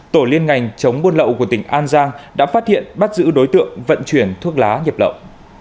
tổ liên ngành chống buôn lậu của tỉnh an giang đã phát hiện bắt giữ đối tượng vận chuyển thuốc lá nhập lậu